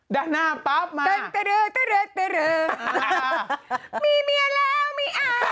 ด้านหน้าป๊อบมา